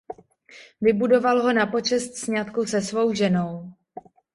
Vybudoval ho na počest sňatku se svou ženou.